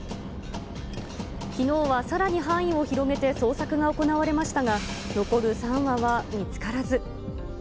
きのうはさらに範囲を広げて捜索が行われましたが、残る３羽は見つからず。